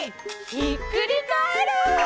ひっくりカエル！